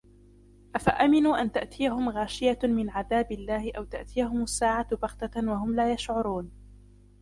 أَفَأَمِنُوا أَنْ تَأْتِيَهُمْ غَاشِيَةٌ مِنْ عَذَابِ اللَّهِ أَوْ تَأْتِيَهُمُ السَّاعَةُ بَغْتَةً وَهُمْ لَا يَشْعُرُونَ